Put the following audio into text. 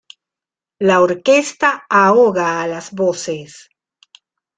La orquesta ahoga a las voces.